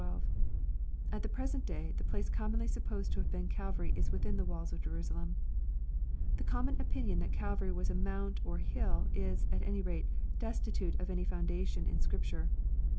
At the present day, the place commonly supposed to have been Calvary is within the walls of Jerusalem. The common opinion thai Calvary was a mount or hiU is, at any rate, destitute of any fo :adation in Scripture.